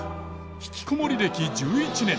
ひきこもり歴１１年。